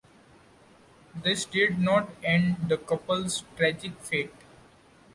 This did not end the couple's tragic fate.